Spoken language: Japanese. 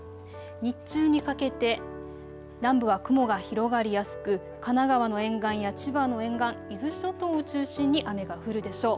日中にかけて南部は雲が広がりやすく神奈川の沿岸や千葉の沿岸、伊豆諸島を中心に雨が降るでしょう。